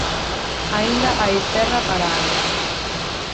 Aínda hai Terra para anos.